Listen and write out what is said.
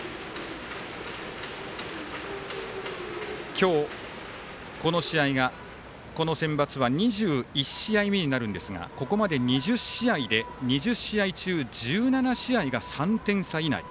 今日、この試合がこのセンバツは２１試合目になるんですがここまで２０試合中、１７試合が３点差以内。